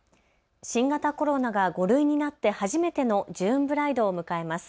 新型コロナが５類になって初めてのジューンブライドを迎えます。